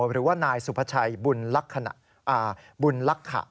หรือว่านายสุภาชัยบุญลักษะ